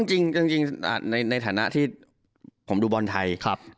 จริงในฐานะที่ผมดูบอลไทย